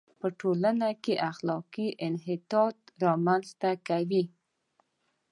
په ټولنه کې اخلاقي انحطاط را منځ ته کوي.